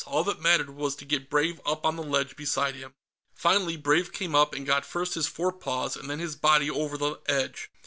All that mattered was to get Brave up on the ledge beside him. Finally Brave came up and got first his fore paws and then his body over the edge.